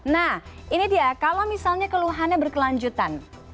nah ini dia kalau misalnya keluhannya berkelanjutan